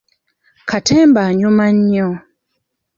Katemba anyuma nnyo.